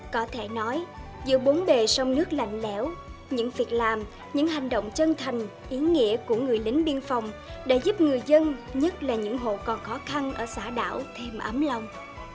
có thể nói giữa bốn bề sông nước lạnh lẽo những việc làm những hành động chân thành ý nghĩa của người lính biên phòng đã giúp người dân nhất là những hộ còn khó khăn ở xã đảo thêm ấm lòng